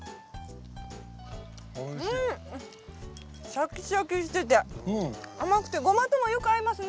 シャキシャキしてて甘くてゴマともよく合いますね。